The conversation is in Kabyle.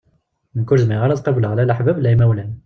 Nekk ur zmireɣ ara ad qableɣ la laḥbab la imawlan.